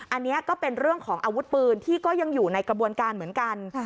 อันนี้ก็เป็นเรื่องของอาวุธปืนที่ก็ยังอยู่ในกระบวนการเหมือนกัน